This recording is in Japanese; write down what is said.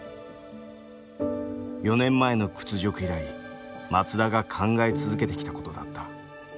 ４年前の屈辱以来松田が考え続けてきたことだった。